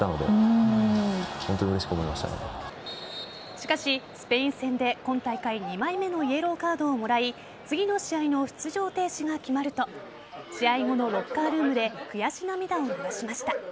しかし、スペイン戦で今大会２枚目のイエローカードをもらい次の試合の出場停止が決まると試合後のロッカールームで悔し涙を流しました。